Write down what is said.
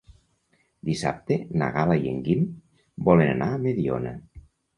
Dissabte na Gal·la i en Guim volen anar a Mediona.